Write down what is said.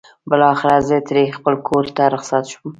بالاخره زه ترې خپل کور ته رخصت شوم.